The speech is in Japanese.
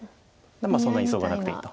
そんな急がなくていいと。